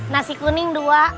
nasi kuning dua